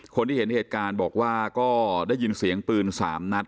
คนที่เห็นเหตุการณ์บอกว่าก็ได้ยินเสียงปืน๓นัด